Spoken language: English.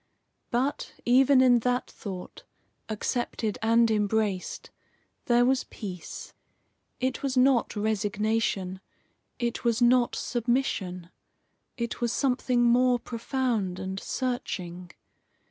But, even in that thought, accepted and embraced, there was peace. It was not resignation. It was not submission. It was something more profound and searching.